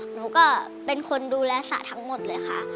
หนูก็เป็นคนดูแลสระทั้งหมดเลยค่ะ